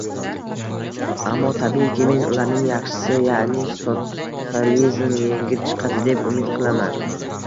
Ammo, tabiiyki, men ularning yaxshisi, ya’ni sotsializm yengib chiqadi deb umid qilaman